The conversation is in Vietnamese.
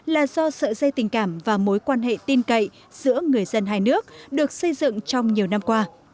là do sợi dây tình cảm và mối quan hệ tin cậy giữa người dân hai nước được xây dựng trong nhiều năm qua